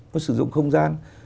nó sử dụng không gian